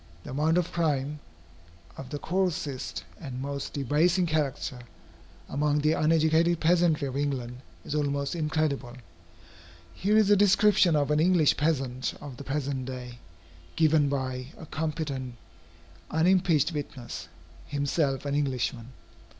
The amount of crime, of the coarsest and most debasing character, among the uneducated peasantry of England, is almost incredible. Here is a description of an English peasant of the present day, given by a competent unimpeached witness, himself an Englishman.